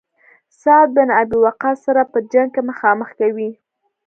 سعد بن ابي وقاص سره په جنګ کې مخامخ کوي.